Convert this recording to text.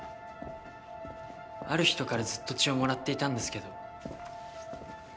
ある人からずっと血をもらっていたんですけど。